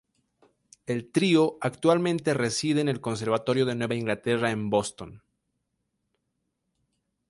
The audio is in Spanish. El trío actualmente reside en el Conservatorio de Nueva Inglaterra en Boston.